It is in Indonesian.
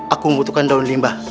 aku membutuhkan daun limba